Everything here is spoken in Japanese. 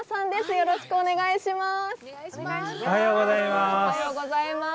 よろしくお願いします。